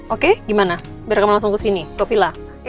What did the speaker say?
oke gimana biar kamu langsung ke sini ke villa